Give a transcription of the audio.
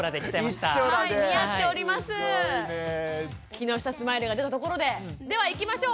木下スマイルが出たところでではいきましょう。